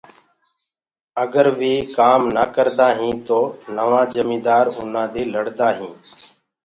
اگر وي ڪآم نآ ڪردآهيٚنٚ تو نوآ جميدآر اُنآ دي لڙدآ هينٚ۔